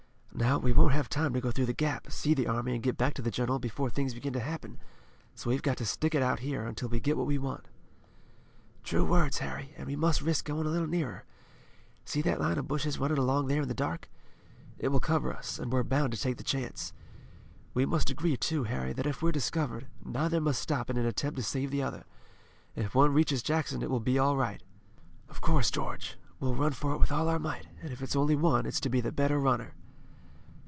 Now, we won't have time to go through the Gap, see the army and get back to the general before things begin to happen, so we've got to stick it out here, until we get what we want." "True words, Harry, and we must risk going a little nearer. See that line of bushes running along there in the dark? It will cover us, and we're bound to take the chance. We must agree, too, Harry, that if we're discovered, neither must stop in an attempt to save the other. If one reaches Jackson it will be all right." "Of course, George. We'll run for it with all our might, and if it's only one it's to be the better runner."